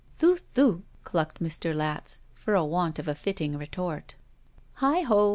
"Thu thu!" dudced Mr. Latz for want of a fitting retort. "Heigh ho!